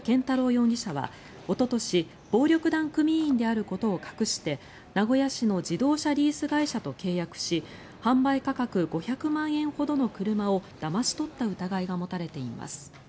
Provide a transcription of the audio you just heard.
容疑者はおととし暴力団組員であることを隠して名古屋市の自動車リース会社と契約し販売価格５００万円ほどの車をだまし取った疑いが持たれています。